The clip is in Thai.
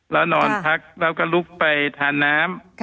เรานอนพักเราก็ลุกไปทานน้ำ